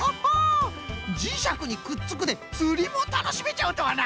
「じしゃくにくっつく」でつりもたのしめちゃうとはな！